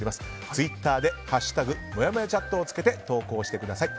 ツイッターで「＃もやもやチャット」をつけて投稿してください。